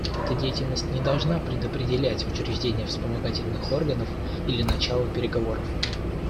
Эта деятельность не должна предопределять учреждение вспомогательных органов или начало переговоров.